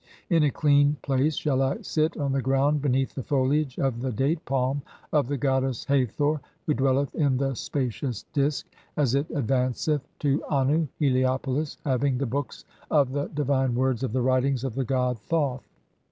In a clean place "shall I sit on the ground beneath the foliage of the date palm "of the goddess Hathor, who dwelleth in the spacious Disk (11) "as it advanceth to Annu (Heliopolis), having the books of the "divine words of the writings of the god Thoth.